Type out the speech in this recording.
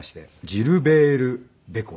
ジルベール・ベコー。